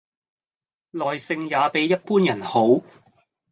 耐性也比一般人好